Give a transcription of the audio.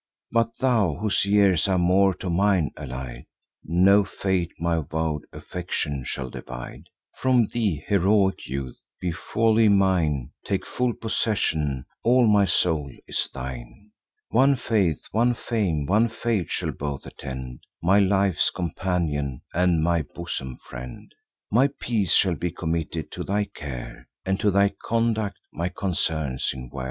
But thou, whose years are more to mine allied, No fate my vow'd affection shall divide From thee, heroic youth! Be wholly mine; Take full possession; all my soul is thine. One faith, one fame, one fate, shall both attend; My life's companion, and my bosom friend: My peace shall be committed to thy care, And to thy conduct my concerns in war."